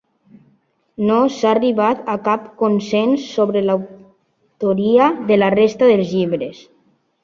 No s'ha arribat a cap consens sobre l'autoria de la resta dels llibres.